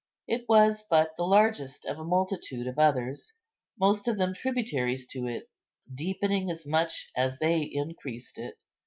It was but the largest of a multitude of others, most of them tributaries to it, deepening as much as they increased it.